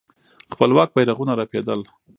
خپلواک بيرغونه رپېدل.